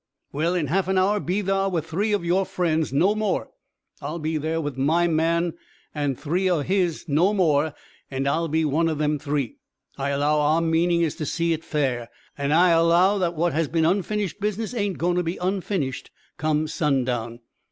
Well, in half a hour be thar with three o' yore friends, no more. I'll be thar with my man an' three o' his, no more, an' I'll be one o' them three. I allow our meanin' is to see hit fa'r. An' I allow that what has been unfinished business ain't goin' to be unfinished come sundown.